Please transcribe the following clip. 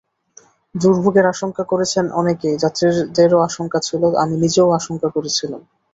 দুর্ভোগের আশঙ্কা করেছেন অনেকেই, যাত্রীদেরও আশঙ্কা ছিল, আমি নিজেও আশঙ্কা করেছিলাম।